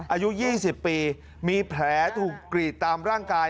อายุ๒๐ปีมีแผลถูกกรีดตามร่างกาย